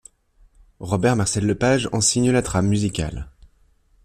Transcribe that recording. Robert Marcel Lepage en signe la trame musicale.